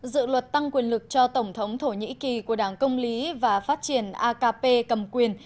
dự luật tăng quyền lực cho tổng thống thổ nhĩ kỳ của đảng công lý và phát triển akp cầm quyền